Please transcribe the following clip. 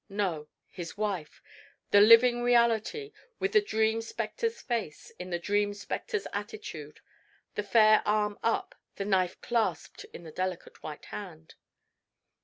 No! His wife; the living reality, with the dream specter's face, in the dream specter's attitude; the fair arm up, the knife clasped in the delicate white hand.